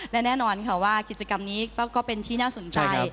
และแน่นอนค่ะว่ากิจกรรมนี้ก็เป็นที่น่าสนใจ